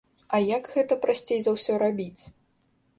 А як гэта прасцей за ўсё рабіць?